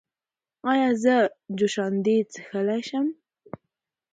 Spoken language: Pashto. ایا زه جوشاندې څښلی شم؟